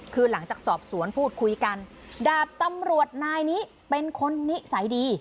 คือหลังจากสอบสวนพูดคุยกันดาบตำรวจนายนี้เป็นคนนิสัยดี